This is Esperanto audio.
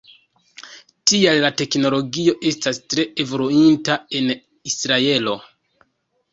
Tial la teknologio estas tre evoluinta en Israelo.